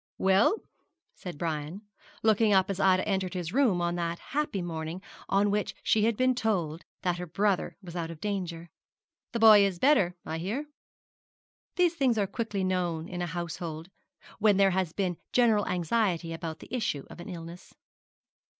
'Well,' said Brian, looking up as Ida entered his room on that happy morning on which she had been told that her brother was out of danger 'the boy is better, I hear?' These things are quickly known in a household, when there has been general anxiety about the issue of an illness.